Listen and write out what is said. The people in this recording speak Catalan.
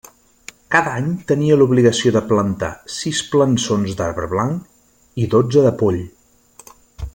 Cada any tenia l’obligació de plantar sis plançons d’arbre blanc i dotze de poll.